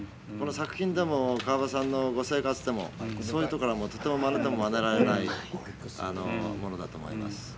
この作品でも川端さんのご生活でもそういうところはとてもまねてもまねられないものだと思います。